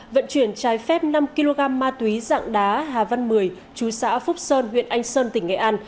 vận chuyển trái phép năm kg ma túy dạng đá hà văn mười chú xã phúc sơn huyện anh sơn tỉnh nghệ an